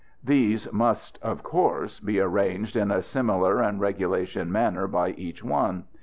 These must, of course, be arranged in a similar and regulation manner by each one.